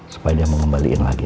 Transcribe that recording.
supaya dia mengembalikan lagi